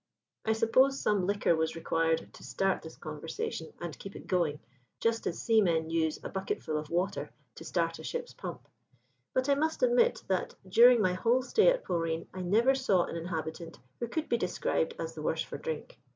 I suppose some liquor was required to start this conversation and keep it going, just as seamen use a bucketful of water to start a ship's pump; but I must admit that during my whole stay at Polreen I never saw an inhabitant who could be described as the worse for drink.